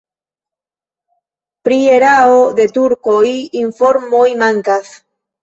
Pri erao de turkoj informoj mankas.